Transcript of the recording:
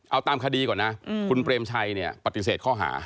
เอาตามคดีก่อนนะคุณเปรมชัยเนี่ยปฏิเสธข้อหา